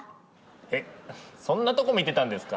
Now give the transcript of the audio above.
えっそんなとこ見てたんですか？